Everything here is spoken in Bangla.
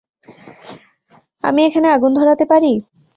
আমি এখানে আগুন ধরাতে পারি?